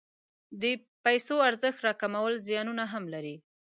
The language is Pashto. د پیسو ارزښت راکمول زیانونه هم لري.